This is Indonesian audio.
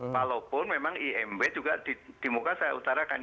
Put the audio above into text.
walaupun memang imb juga di muka saya utarakan